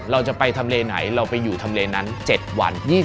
เราจะไปทำเลไหนเราไปอยู่ทำเลนั้น๗วัน